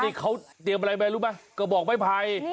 นี่เขาเตรียมอะไรมารู้ไหมกระบอกไม้ไผ่